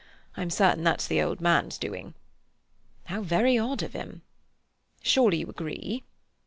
I'm certain that's the old man's doing." "How very odd of him!" "Surely you agree?"